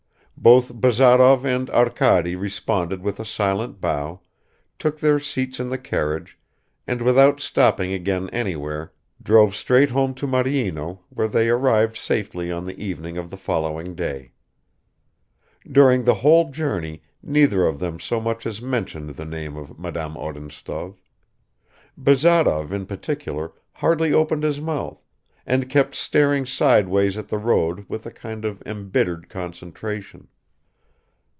Both Bazarov and Arkady responded with a silent bow, took their seats in the carriage, and without stopping again anywhere, drove straight home to Maryino, where they arrived safely on the evening of the following day. During the whole journey neither of them so much as mentioned the name of Madame Odintsov; Bazarov, in particular, hardly opened his mouth, and kept staring sideways at the road with a kind of embittered concentration.